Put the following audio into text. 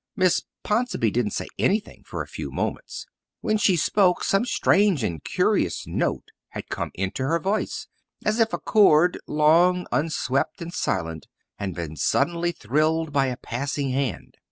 Miss Ponsonby didn't say anything for a few moments. When she spoke some strange and curious note had come into her voice, as if a chord, long unswept and silent, had been suddenly thrilled by a passing hand.